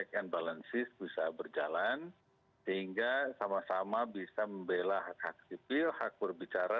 kebebasan berorganisasi kebebasan bicara